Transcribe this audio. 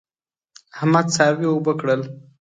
احمد څاروي اوبه کړل.